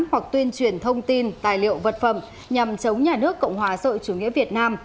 hoặc tuyên truyền thông tin tài liệu vật phẩm nhằm chống nhà nước cộng hòa sợi chủ nghĩa việt nam